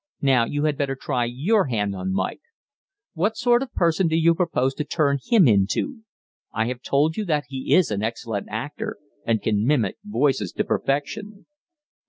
Now you had better try your hand on Mike. What sort of person do you propose to turn him into? I have told you that he is an excellent actor, and can mimic voices to perfection."